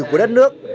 của đất nước